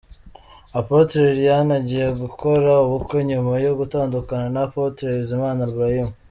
Apotre Liliane agiye gukora ubukwe nyuma yo gutandukana na Apotre Bizimana Ibrahim.